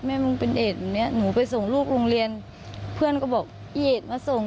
มึงเป็นเอกแบบนี้หนูไปส่งลูกโรงเรียนเพื่อนก็บอกอีดมาส่ง